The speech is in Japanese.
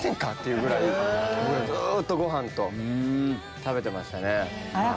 僕らずっとごはん食べてましたね。